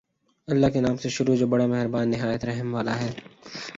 اللہ کے نام سے شروع جو بڑا مہربان نہایت رحم والا ہے